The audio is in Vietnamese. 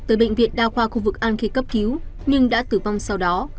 tới bệnh viện đa khoa khu vực an khê cấp cứu nhưng đã tử vong sau đó